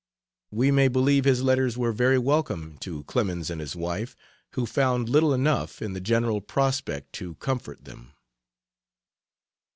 We may believe his letters were very welcome to Clemens and his wife, who found little enough in the general prospect to comfort them.